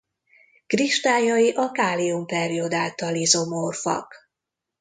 Kristályai a kálium-perjodáttal izomorfak.